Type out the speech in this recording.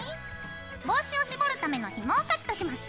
帽子を絞るためのひもをカットします。